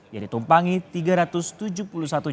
yang ditumpangi tiga ratus tujuh puluh satu jemaah calon haji